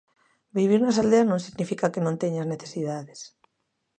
Vivir nas aldeas non significa que non teñas necesidades.